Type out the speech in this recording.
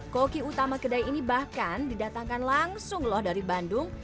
koki utama kedai ini bahkan didatangkan langsung loh dari bandung